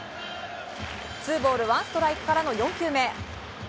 ツーボールワンストライクからの４球目。